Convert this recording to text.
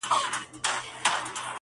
اشنا د بل وطن سړی دی!